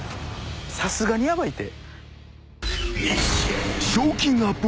さすがにヤバいて。